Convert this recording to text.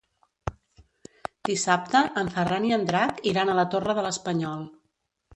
Dissabte en Ferran i en Drac iran a la Torre de l'Espanyol.